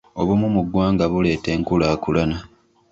Obumu mu ggwanga buleeta enkulaakulana.